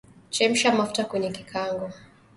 Chemsha mafuta kwenye kikaango